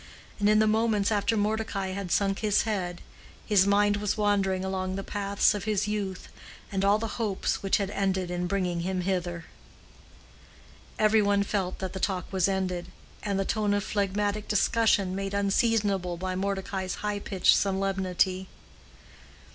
And in the moments after Mordecai had sunk his head, his mind was wandering along the paths of his youth, and all the hopes which had ended in bringing him hither. Every one felt that the talk was ended, and the tone of phlegmatic discussion made unseasonable by Mordecai's high pitched solemnity.